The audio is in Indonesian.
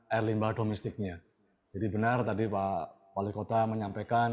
air limbah domestiknya jadi benar tadi pak wali kota menyampaikan